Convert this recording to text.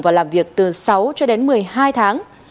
và làm việc từ sáu cho đến một mươi hai tháng